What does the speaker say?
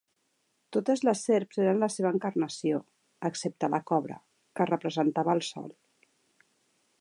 Totes les serps eren la seva encarnació, excepte la cobra, que representava al Sol.